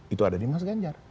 itu ada di mas ganjar